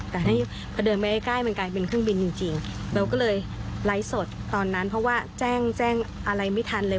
แต่ให้พอเดินไปใกล้มันกลายเป็นเครื่องบินจริงเราก็เลยไลฟ์สดตอนนั้นเพราะว่าแจ้งแจ้งอะไรไม่ทันเลย